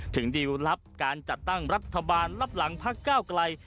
ดิวลลับการจัดตั้งรัฐบาลรับหลังพักก้าวไกล